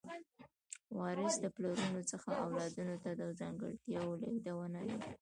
وراثت د پلرونو څخه اولادونو ته د ځانګړتیاوو لیږدول دي